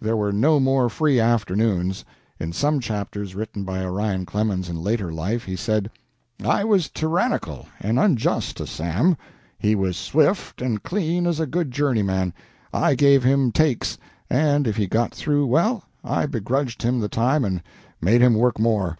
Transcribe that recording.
There were no more free afternoons. In some chapters written by Orion Clemens in later life, he said: "I was tyrannical and unjust to Sam. He was swift and clean as a good journeyman. I gave him 'takes,' and, if he got through well, I begrudged him the time and made him work more."